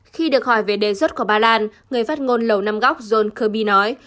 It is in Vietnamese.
khi được hỏi về đề xuất của ba lan người phát ngôn lầu năm góc john kirby nói